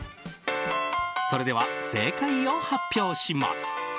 それでは正解を発表します。